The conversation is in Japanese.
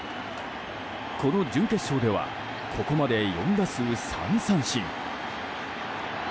この準決勝ではここまで４打数３三振。